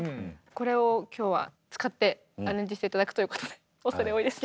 これを今日は使ってアレンジして頂くということで恐れ多いです。